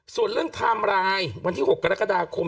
ส่วนเรื่องไทม์ไลน์วันที่๖กรกฎาคม